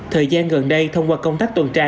thời gian gần đây thông qua công tác tuần tra